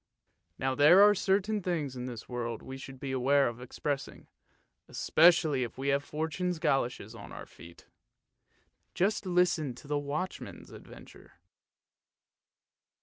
Now there are certain things in the world we should beware of expressing, especially if we have Fortune's goloshes on our feet. Just listen to the watchman's adventure.